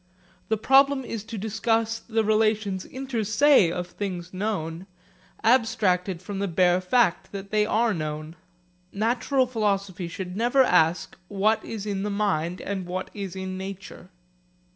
That problem is to discuss the relations inter se of things known, abstracted from the bare fact that they are known. Natural philosophy should never ask, what is in the mind and what is in nature.